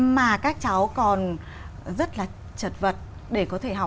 mà các cháu còn rất là chật vật để có thể học